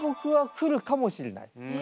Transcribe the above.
来るかもしれない？